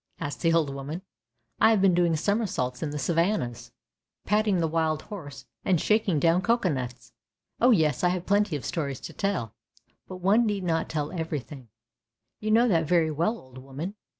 " asked the old woman. " I have been turning somersaults in the Savannahs, patting THE GARDEN OF PARADISE 161 the wild horse, and shaking down cocoa nuts! Oh, yes, I have plenty of stories to tell! But one need not tell everything. You know that very well, old woman!